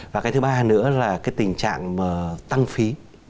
và cái thứ ba nữa là cái tình trạng tăng phí